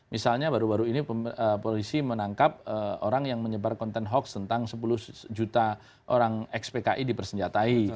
misalnya baru baru ini polisi menangkap orang yang menyebar konten hoax tentang sepuluh juta orang expki dipersenjatai